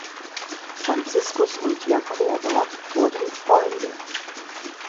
Franziskus und Jacoba wurden Freunde.